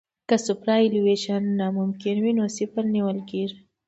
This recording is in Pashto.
که سوپرایلیویشن ناممکن وي نو صفر نیول کیږي